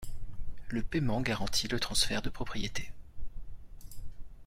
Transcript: Le paiement garanti le transfert de propriété.